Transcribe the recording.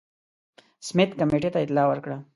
سمیت کمېټې ته اطلاع ورکړه.